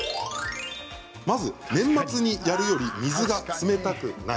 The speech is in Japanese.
まず年末にやるより水が冷たくない。